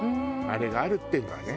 あれがあるっていうのはね。